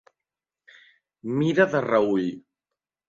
Mirar de reüll.